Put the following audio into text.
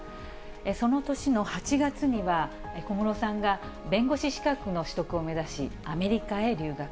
その年の８月には、小室さんが弁護士資格の取得を目指し、アメリカへ留学。